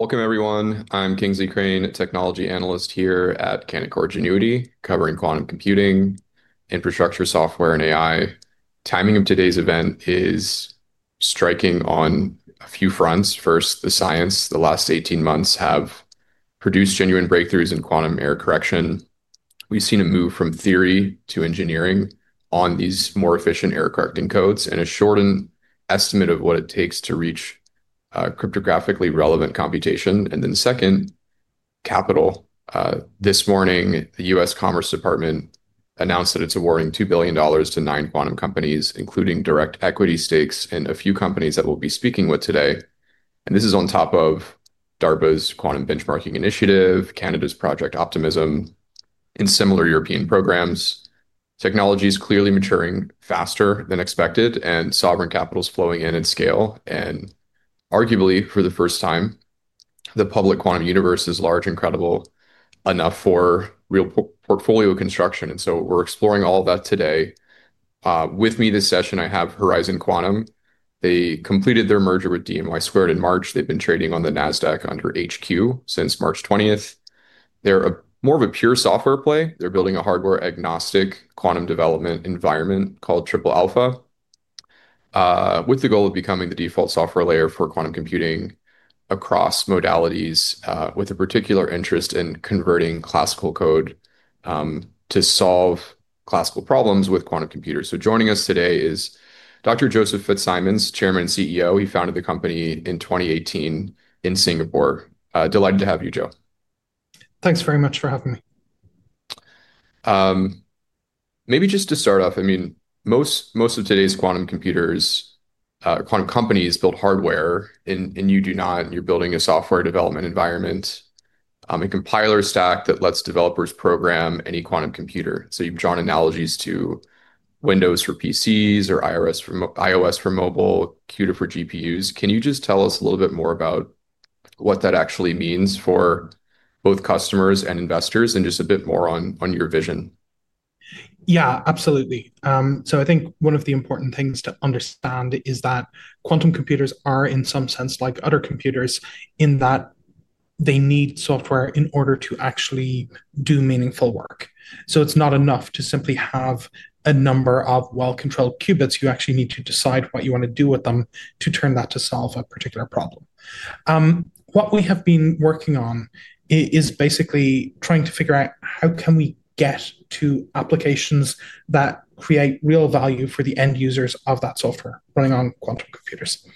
Welcome everyone. I'm Kingsley Crane, technology analyst here at Canaccord Genuity, covering quantum computing, infrastructure software, and AI. Timing of today's event is striking on a few fronts. First, the science. The last 18 months have produced genuine breakthroughs in quantum error correction. We've seen a move from theory to engineering on these more efficient error-correcting codes, and a shortened estimate of what it takes to reach cryptographically relevant computation. Second, capital. This morning, the U.S. Department of Commerce announced that it's awarding $2 billion to nine quantum companies, including direct equity stakes in a few companies that we'll be speaking with today. This is on top of DARPA's Quantum Benchmarking Initiative, Canada's Project OPTIMISM, and similar European programs. Technology's clearly maturing faster than expected, and sovereign capital's flowing in at scale. Arguably for the first time, the public quantum universe is large and credible enough for real portfolio construction, and so we're exploring all that today. With me this session, I have Horizon Quantum. They completed their merger with dMY Squared in March. They've been trading on the Nasdaq under HQ since March 20th. They're more of a pure software play. They're building a hardware-agnostic quantum development environment called Triple Alpha, with the goal of becoming the default software layer for quantum computing across modalities, with a particular interest in converting classical code to solve classical problems with quantum computers. Joining us today is Dr. Joseph Fitzsimons, Chairman and CEO. He founded the company in 2018 in Singapore. Delighted to have you, Joe. Thanks very much for having me. Maybe just to start off, most of today's quantum companies build hardware, and you do not. You're building a software development environment, a compiler stack that lets developers program any quantum computer. You've drawn analogies to Windows for PCs or iOS for mobile, CUDA for GPUs. Can you just tell us a little bit more about what that actually means for both customers and investors, and just a bit more on your vision? Yeah, absolutely. I think one of the important things to understand is that quantum computers are, in some sense, like other computers, in that they need software in order to actually do meaningful work. It's not enough to simply have a number of well-controlled qubits. You actually need to decide what you want to do with them to turn that to solve a particular problem. What we have been working on is basically trying to figure out how can we get to applications that create real value for the end users of that software running on quantum computers.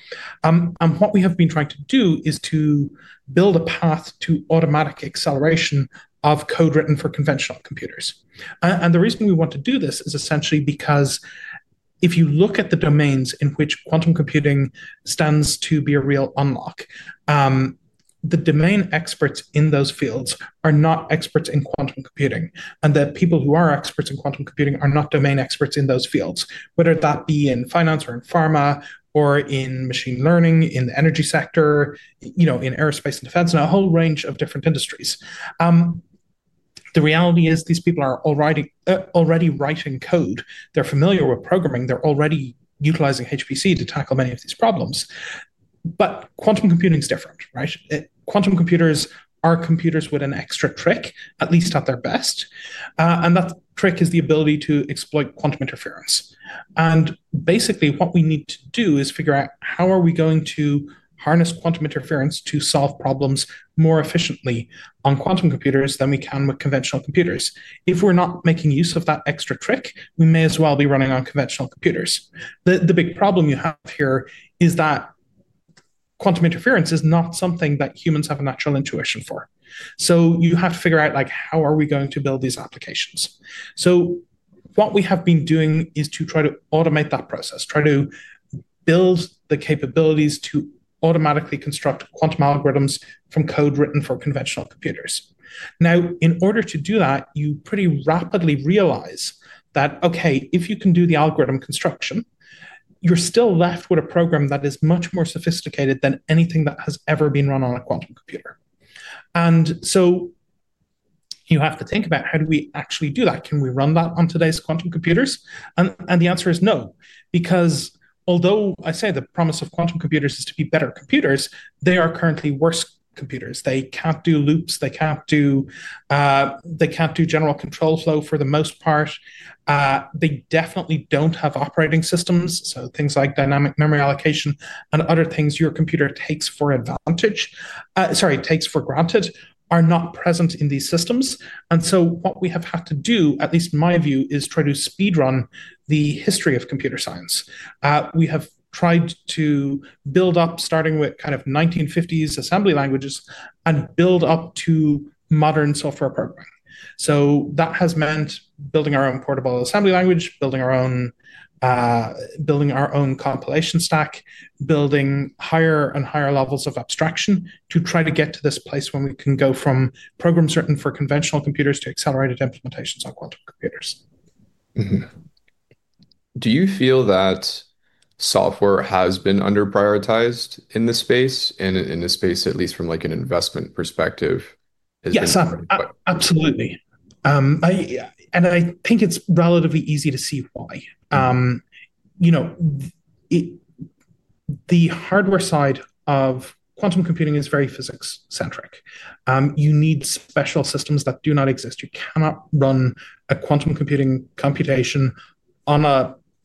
What we have been trying to do is to build a path to automatic acceleration of code written for conventional computers. The reason we want to do this is essentially because if you look at the domains in which quantum computing stands to be a real unlock, the domain experts in those fields are not experts in quantum computing, and the people who are experts in quantum computing are not domain experts in those fields, whether that be in finance or in pharma or in machine learning, in the energy sector, in aerospace and defense, and a whole range of different industries. The reality is these people are already writing code. They're familiar with programming. They're already utilizing HPC to tackle many of these problems. Quantum computing's different, right? Quantum computers are computers with an extra trick, at least at their best. That trick is the ability to exploit quantum interference. Basically what we need to do is figure out how are we going to harness quantum interference to solve problems more efficiently on quantum computers than we can with conventional computers. If we're not making use of that extra trick, we may as well be running on conventional computers. The big problem you have here is that quantum interference is not something that humans have a natural intuition for. You have to figure out, how are we going to build these applications? What we have been doing is to try to automate that process, try to build the capabilities to automatically construct quantum algorithms from code written for conventional computers. In order to do that, you pretty rapidly realize that, okay, if you can do the algorithm construction, you're still left with a program that is much more sophisticated than anything that has ever been run on a quantum computer. You have to think about how do we actually do that. Can we run that on today's quantum computers? The answer is no, because although I say the promise of quantum computers is to be better computers, they are currently worse computers. They can't do loops. They can't do general control flow for the most part. They definitely don't have operating systems, so things like dynamic memory allocation and other things your computer takes for granted are not present in these systems. What we have had to do, at least in my view, is try to speed run the history of computer science. We have tried to build up starting with kind of 1950s assembly languages and build up to modern software programming. That has meant building our own portable assembly language, building our own compilation stack, building higher and higher levels of abstraction to try to get to this place when we can go from programs written for conventional computers to accelerated implementations on quantum computers. Mm-hmm. Do you feel that software has been under prioritized in this space, and in this space, at least from an investment perspective? Yes, absolutely. I think it's relatively easy to see why. The hardware side of quantum computing is very physics-centric. You need special systems that do not exist. You cannot run a quantum computation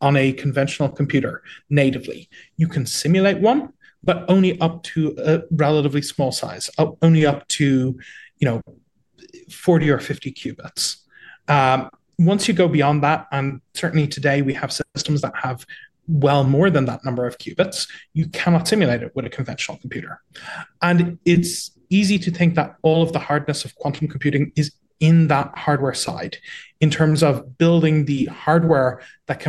on a conventional computer natively. You can simulate one, but only up to a relatively small size, only up to 40 or 50 qubits. Once you go beyond that, and certainly today, we have systems that have well more than that number of qubits, you cannot simulate it with a conventional computer. It's easy to think that all of the hardness of quantum computing is in that hardware side in terms of building the hardware that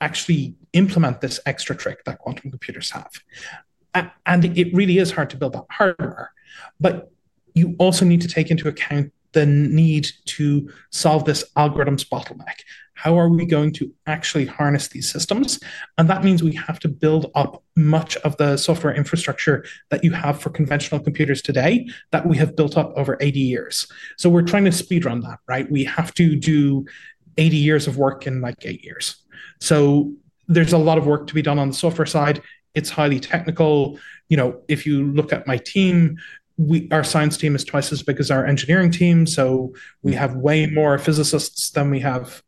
can actually implement this extra trick that quantum computers have. It really is hard to build that hardware. You also need to take into account the need to solve this algorithms bottleneck. How are we going to actually harness these systems? That means we have to build up much of the software infrastructure that you have for conventional computers today that we have built up over 80 years. We're trying to speed run that, right? We have to do 80 years of work in eight years. There's a lot of work to be done on the software side. It's highly technical. If you look at my team, our science team is twice as big as our engineering team, so we have way more physicists than we have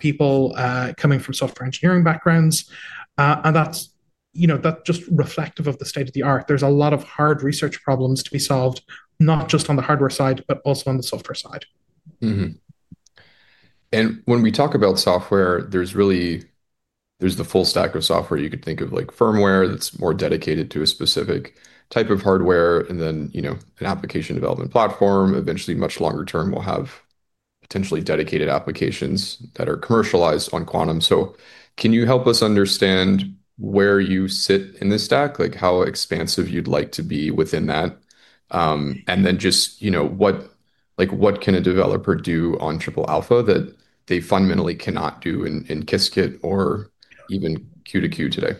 people coming from software engineering backgrounds. That's just reflective of the state of the art. There's a lot of hard research problems to be solved, not just on the hardware side, but also on the software side. Mm-hmm. When we talk about software, there's the full stack of software you could think of, like firmware that's more dedicated to a specific type of hardware, and then, an application development platform. Eventually, much longer term, we'll have potentially dedicated applications that are commercialized on Quantum. Can you help us understand where you sit in this stack, how expansive you'd like to be within that? Then just, what can a developer do on Triple Alpha that they fundamentally cannot do in Qiskit or even Cirq today?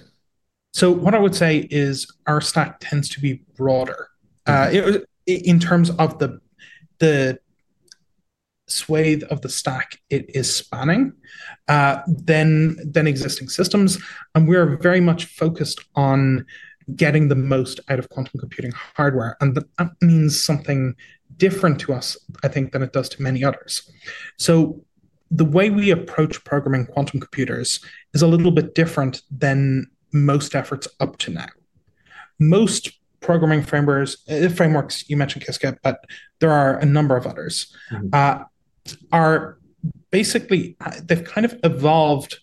What I would say is our stack tends to be broader, in terms of the swathe of the stack it is spanning than existing systems. We're very much focused on getting the most out of quantum computing hardware, and that means something different to us, I think, than it does to many others. The way we approach programming quantum computers is a little bit different than most efforts up to now. Most programming frameworks, you mentioned Qiskit, but there are a number of others. Basically, they've kind of evolved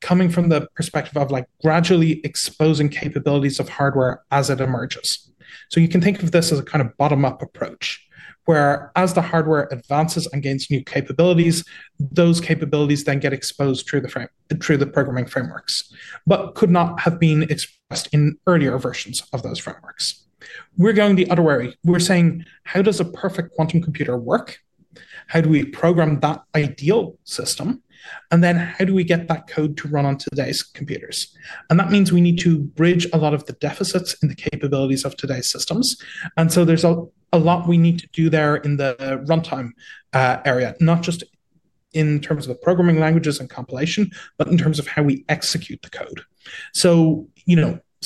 coming from the perspective of gradually exposing capabilities of hardware as it emerges. You can think of this as a kind of bottom-up approach, where as the hardware advances and gains new capabilities, those capabilities then get exposed through the programming frameworks, but could not have been expressed in earlier versions of those frameworks. We're going the other way. We're saying, how does a perfect quantum computer work? How do we program that ideal system? How do we get that code to run on today's computers? That means we need to bridge a lot of the deficits and the capabilities of today's systems. There's a lot we need to do there in the runtime area, not just in terms of programming languages and compilation, but in terms of how we execute the code.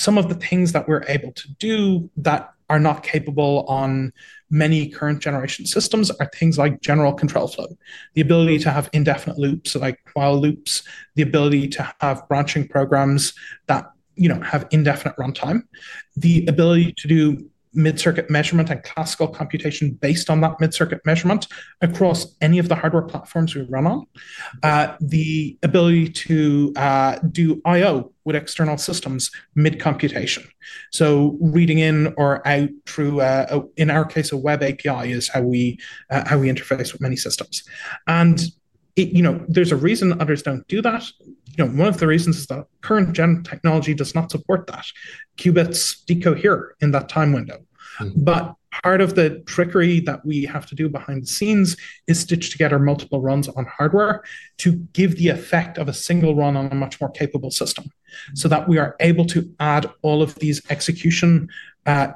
Some of the things that we're able to do that are not capable on many current generation systems are things like general control flow, the ability to have indefinite loops, like while loops, the ability to have branching programs that have indefinite runtime, the ability to do mid-circuit measurement and classical computation based on that mid-circuit measurement across any of the hardware platforms we run on, the ability to do IO with external systems mid-computation. Reading in or out through, in our case, a web API is how we interface with many systems. There's a reason others don't do that. One of the reasons is that current gen technology does not support that. Qubits decohere in that time window. Part of the trickery that we have to do behind the scenes is stitch together multiple runs on hardware to give the effect of a single run on a much more capable system, so that we are able to add all of these execution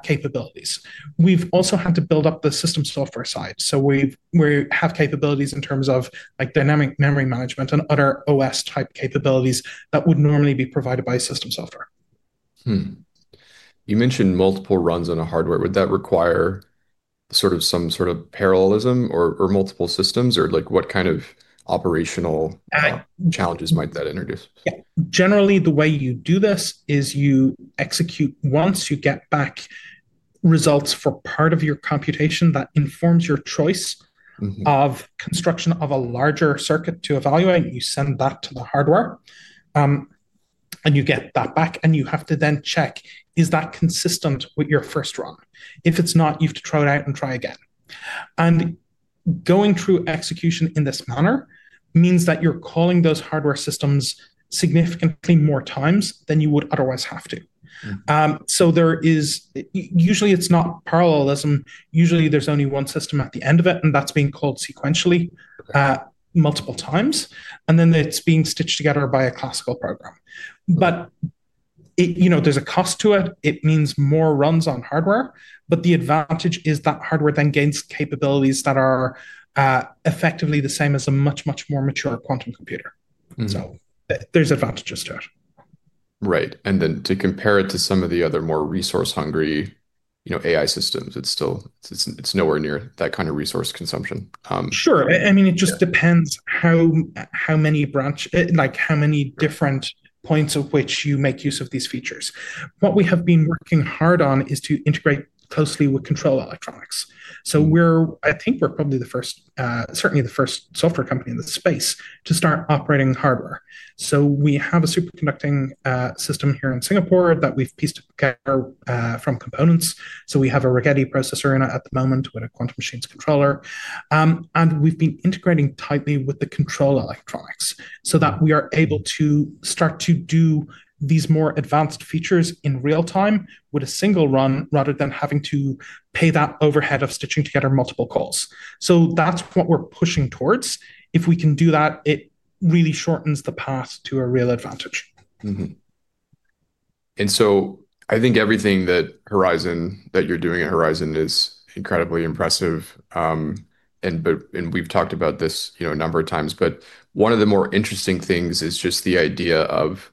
capabilities. We've also had to build up the system software side. We have capabilities in terms of dynamic memory management and other OS-type capabilities that would normally be provided by system software. You mentioned multiple runs on a hardware. Would that require some sort of parallelism or multiple systems, or what kind of operational challenges might that introduce? Yeah. Generally, the way you do this is you execute once, you get back results for part of your computation that informs your choice of construction of a larger circuit to evaluate, and you send that to the hardware. You get that back, and you have to then check, is that consistent with your first run? If it's not, you have to throw it out and try again. Going through execution in this manner means that you're calling those hardware systems significantly more times than you would otherwise have to. Usually, it's not parallelism. Usually, there's only one system at the end of it, and that's being called sequentially multiple times, and then it's being stitched together by a classical program. There's a cost to it. It means more runs on hardware. The advantage is that hardware then gains capabilities that are effectively the same as a much, much more mature quantum computer. There's advantages to it. Right. To compare it to some of the other more resource-hungry AI systems, it's nowhere near that kind of resource consumption. Sure. It just depends how many different points of which you make use of these features. What we have been working hard on is to integrate closely with control electronics. I think we're certainly the first software company in this space to start operating the hardware. We have a superconducting system here in Singapore that we've pieced together from components. We have a Rigetti processor in it at the moment with a Quantum Machines controller. We've been integrating tightly with the control electronics so that we are able to start to do these more advanced features in real time with a single run, rather than having to pay that overhead of stitching together multiple calls. That's what we're pushing towards. If we can do that, it really shortens the path to a real advantage. Mm-hmm. I think everything that you're doing at Horizon is incredibly impressive. We've talked about this a number of times, but one of the more interesting things is just the idea of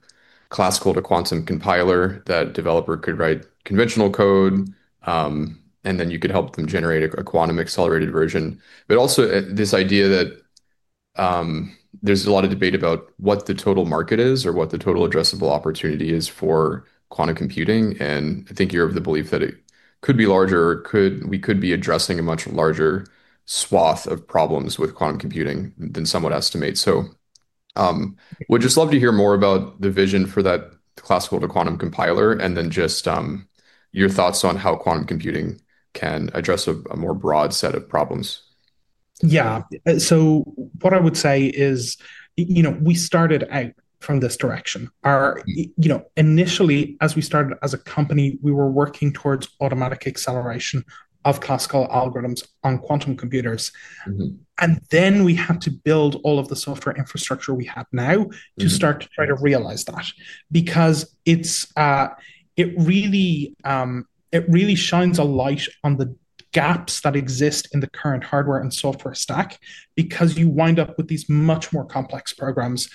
classical to quantum compiler, that a developer could write conventional code, and then you could help them generate a quantum accelerated version. Also, this idea that there's a lot of debate about what the total market is or what the total addressable opportunity is for quantum computing, and I think you're of the belief that it could be larger. We could be addressing a much larger swath of problems with quantum computing than somewhat estimate. Would just love to hear more about the vision for that classical to quantum compiler, and then just your thoughts on how quantum computing can address a more broad set of problems. Yeah. What I would say is we started out from this direction. Initially, as we started as a company, we were working towards automatic acceleration of classical algorithms on quantum computers. We had to build all of the software infrastructure we have now to start to try to realize that because it really shines a light on the gaps that exist in the current hardware and software stack because you wind up with these much more complex programs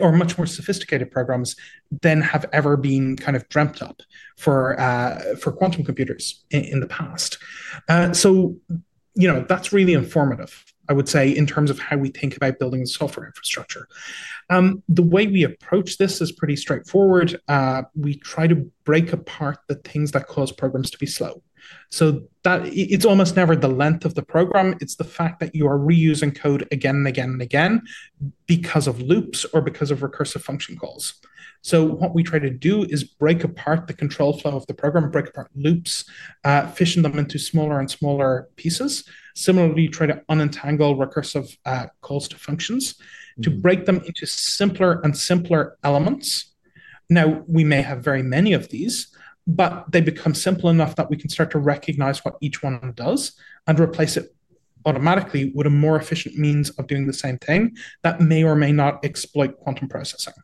or much more sophisticated programs than have ever been dreamt up for quantum computers in the past. That's really informative, I would say, in terms of how we think about building software infrastructure. The way we approach this is pretty straightforward. We try to break apart the things that cause programs to be slow. It's almost never the length of the program, it's the fact that you are reusing code again and again and again because of loops or because of recursive function calls. What we try to do is break apart the control flow of the program and break apart loops, fission them into smaller and smaller pieces. Similarly, try to unentangle recursive calls to functions to break them into simpler and simpler elements. We may have very many of these, but they become simple enough that we can start to recognize what each one does and replace it automatically with a more efficient means of doing the same thing that may or may not exploit quantum processing.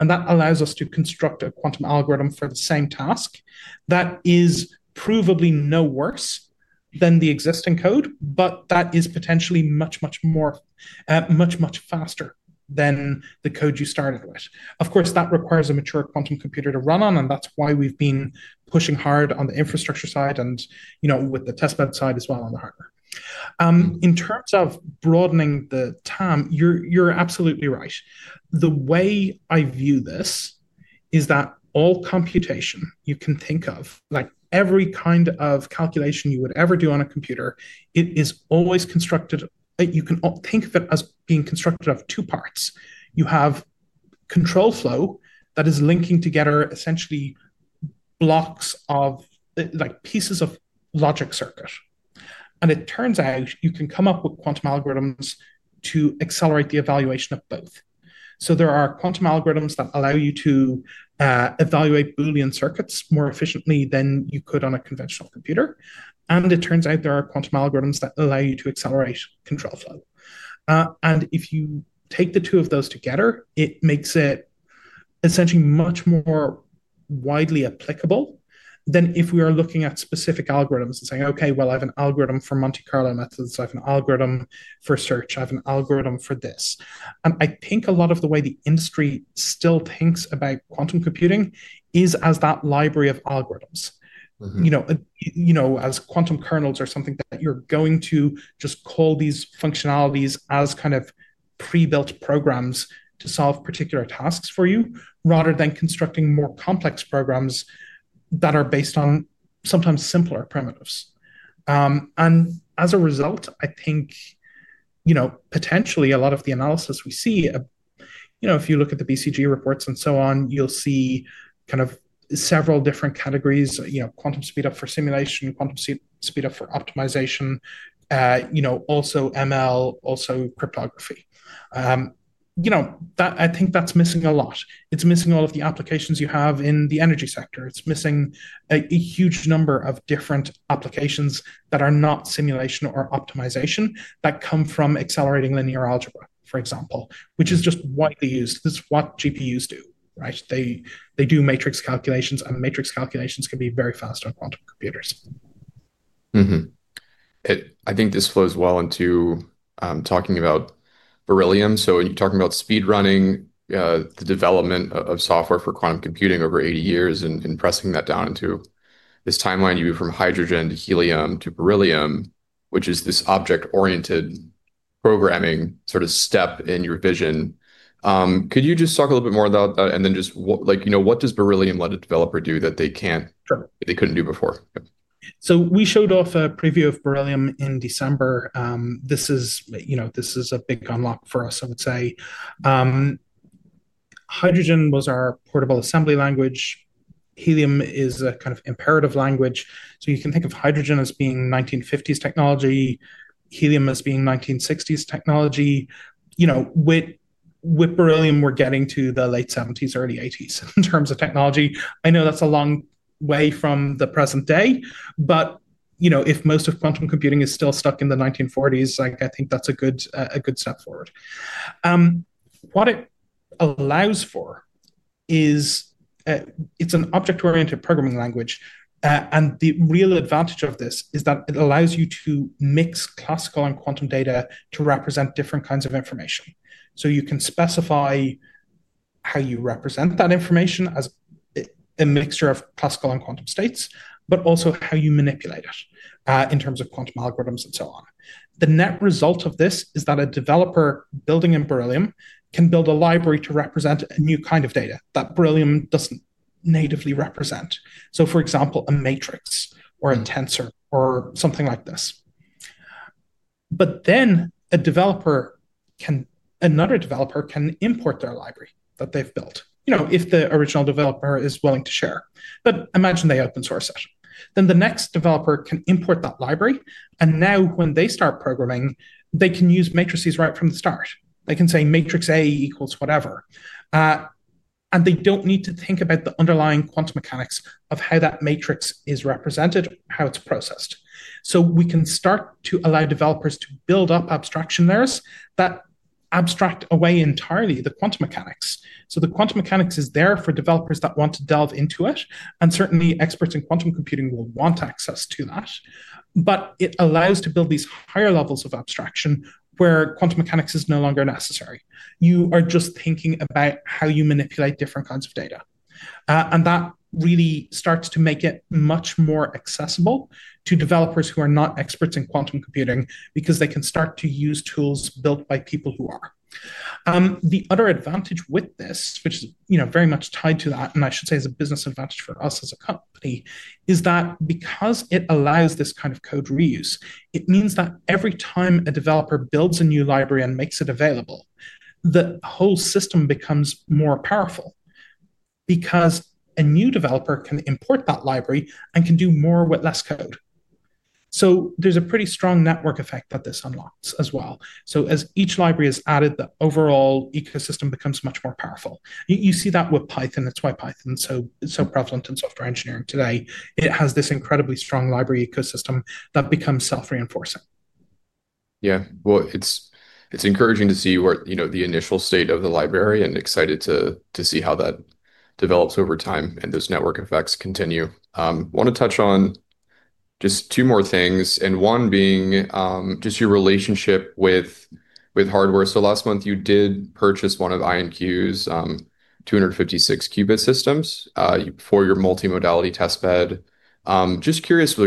That allows us to construct a quantum algorithm for the same task that is provably no worse than the existing code, but that is potentially much, much faster than the code you started with. Of course, that requires a mature quantum computer to run on, and that's why we've been pushing hard on the infrastructure side and with the test bed side as well on the hardware. In terms of broadening the TAM, you're absolutely right. The way I view this is that all computation you can think of, like every kind of calculation you would ever do on a computer, you can think of it as being constructed of two parts. You have control flow that is linking together essentially blocks of pieces of logic circuit. It turns out you can come up with quantum algorithms to accelerate the evaluation of both. There are quantum algorithms that allow you to evaluate Boolean circuits more efficiently than you could on a conventional computer, and it turns out there are quantum algorithms that allow you to accelerate control flow. If you take the two of those together, it makes it essentially much more widely applicable than if we are looking at specific algorithms and saying, "Okay, well, I have an algorithm for Monte Carlo methods. I have an algorithm for search. I have an algorithm for this." I think a lot of the way the industry still thinks about quantum computing is as that library of algorithms. Quantum kernels or something that you're going to just call these functionalities as kind of pre-built programs to solve particular tasks for you, rather than constructing more complex programs that are based on sometimes simpler primitives. As a result, I think, potentially a lot of the analysis we see, if you look at the BCG reports and so on, you'll see kind of several different categories, quantum speed up for simulation, quantum speed up for optimization, also ML, also cryptography. I think that's missing a lot. It's missing all of the applications you have in the energy sector. It's missing a huge number of different applications that are not simulation or optimization that come from accelerating linear algebra, for example, which is just widely used. This is what GPUs do, right? They do matrix calculations, and matrix calculations can be very fast on quantum computers. Mm-hmm. I think this flows well into talking about Beryllium. When you're talking about speed running, the development of software for quantum computing over 80 years and pressing that down into this timeline you view from Hydrogen to Helium to Beryllium, which is this object-oriented programming sort of step in your vision. Could you just talk a little bit more about that and then just what does Beryllium let a developer do that they couldn't do before? We showed off a preview of Beryllium in December. This is a big unlock for us, I would say. Hydrogen was our portable assembly language. Helium is a kind of imperative language. You can think of Hydrogen as being 1950s technology, Helium as being 1960s technology. With Beryllium, we're getting to the late '70s, early '80s in terms of technology. I know that's a long way from the present day, but if most of quantum computing is still stuck in the 1940s, I think that's a good step forward. What it allows for is, it's an object-oriented programming language. The real advantage of this is that it allows you to mix classical and quantum data to represent different kinds of information. You can specify how you represent that information as a mixture of classical and quantum states, but also how you manipulate it, in terms of quantum algorithms and so on. The net result of this is that a developer building in Beryllium can build a library to represent a new kind of data that Beryllium doesn't natively represent. For example, a matrix or a tensor, or something like this. Another developer can import their library that they've built, if the original developer is willing to share. Imagine they open source it. The next developer can import that library, and now when they start programming, they can use matrices right from the start. They can say matrix A equals whatever. They don't need to think about the underlying quantum mechanics of how that matrix is represented, how it's processed. We can start to allow developers to build up abstraction layers that abstract away entirely the quantum mechanics. The quantum mechanics is there for developers that want to delve into it, and certainly experts in quantum computing will want access to that. It allows to build these higher levels of abstraction where quantum mechanics is no longer necessary. You are just thinking about how you manipulate different kinds of data. That really starts to make it much more accessible to developers who are not experts in quantum computing because they can start to use tools built by people who are. The other advantage with this, which is very much tied to that, and I should say is a business advantage for us as a company, is that because it allows this kind of code reuse, it means that every time a developer builds a new library and makes it available, the whole system becomes more powerful because a new developer can import that library and can do more with less code. There's a pretty strong network effect that this unlocks as well. As each library is added, the overall ecosystem becomes much more powerful. You see that with Python, that's why Python is so prevalent in software engineering today. It has this incredibly strong library ecosystem that becomes self-reinforcing. Well, it's encouraging to see where the initial state of the library and excited to see how that develops over time and those network effects continue. Want to touch on just two more things, one being just your relationship with hardware. Last month you did purchase one of IonQ's 256 qubit systems for your multimodality test bed. Just curious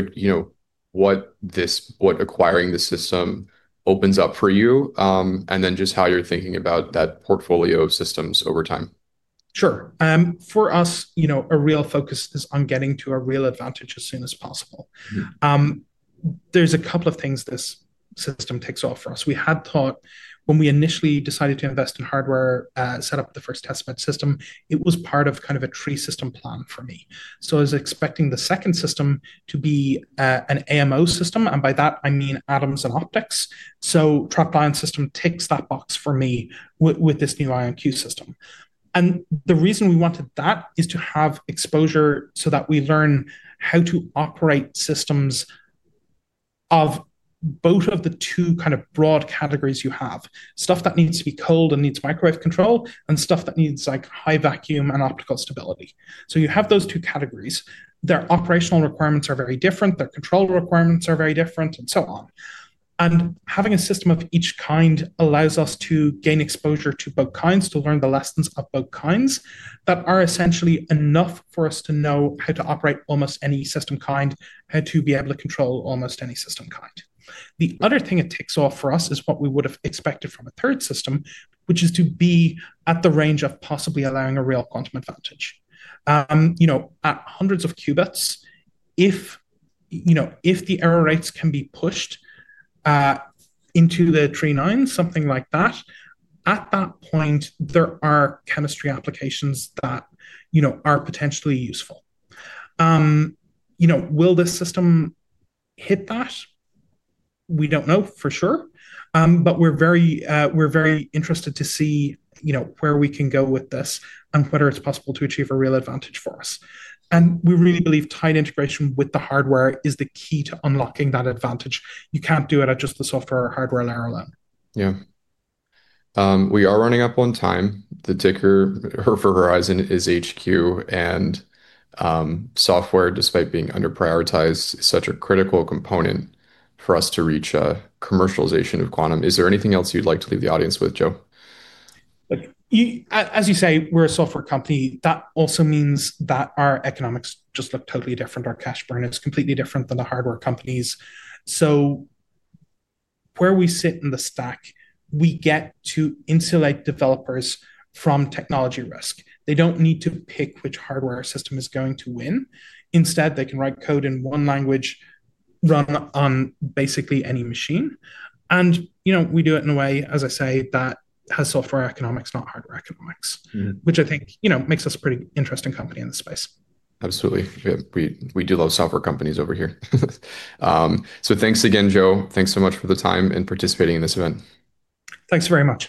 what acquiring the system opens up for you, just how you're thinking about that portfolio of systems over time? Sure. For us, a real focus is on getting to a real advantage as soon as possible. There's two things this system ticks off for us. We had thought when we initially decided to invest in hardware, set up the first test bed system, it was part of kind of a three system plan for me. I was expecting the second system to be an AMO system, and by that I mean atoms and optics. Trapped ion system ticks that box for me with this new IonQ system. The reason we wanted that is to have exposure so that we learn how to operate systems of both of the two kind of broad categories you have. Stuff that needs to be cold and needs microwave control, stuff that needs high vacuum and optical stability. You have those two categories. Their operational requirements are very different, their control requirements are very different, and so on. Having a system of each kind allows us to gain exposure to both kinds, to learn the lessons of both kinds, that are essentially enough for us to know how to operate almost any system kind, how to be able to control almost any system kind. The other thing it ticks off for us is what we would've expected from a third system, which is to be at the range of possibly allowing a real quantum advantage. At hundreds of qubits, if the error rates can be pushed into the three nines, something like that, at that point, there are chemistry applications that are potentially useful. Will this system hit that? We don't know for sure. We're very interested to see where we can go with this and whether it's possible to achieve a real advantage for us. We really believe tight integration with the hardware is the key to unlocking that advantage. You can't do it at just the software or hardware layer alone. Yeah. We are running up on time. The ticker for Horizon is HQ. Software, despite being under prioritized, is such a critical component for us to reach a commercialization of quantum. Is there anything else you'd like to leave the audience with, Joseph Fitzsimons? As you say, we're a software company. That also means that our economics just look totally different. Our cash burn is completely different than the hardware companies. Where we sit in the stack, we get to insulate developers from technology risk. They don't need to pick which hardware system is going to win. Instead, they can write code in one language, run on basically any machine. We do it in a way, as I say, that has software economics, not hardware economics. Which I think makes us a pretty interesting company in this space. Absolutely. Yeah, we do love software companies over here. Thanks again, Joe. Thanks so much for the time and participating in this event. Thanks very much.